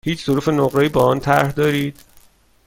هیچ ظروف نقره ای با آن طرح دارید؟